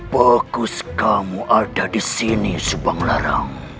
bagus kamu ada disini subanglarang